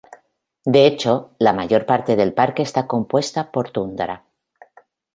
De hecho, la mayor parte del parque está compuesta por tundra.